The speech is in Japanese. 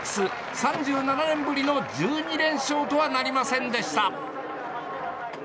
３７年ぶりの１２連勝とはなりませんでした。